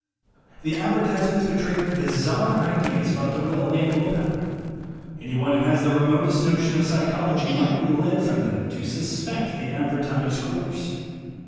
The advertisements betray bizarre ideas about the will and will power. Any one who has the remotest notion of psychology might be led from them to suspect the advertised course.